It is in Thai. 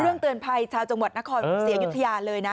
เรื่องเตือนภัยชาวจังหวัดนครเสียงอุทยาเลยนะ